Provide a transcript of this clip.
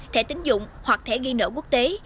thẻ tính dụng hoặc thẻ ghi nở quốc tế